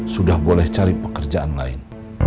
sudah boleh cari pekerjaan lain